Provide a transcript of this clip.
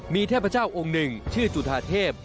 มีเทพเจ้าองค์หนึ่งชื่อจุธาเทพ